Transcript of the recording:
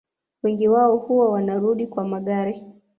Wengi wao huwa wanarudi kwa magari